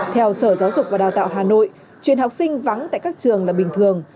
theo sở giáo dục và đào tạo hà nội chuyện học sinh vắng tại các trường là bình thường